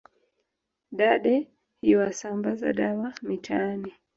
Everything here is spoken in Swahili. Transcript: Dade yuasambaza dawa mitaani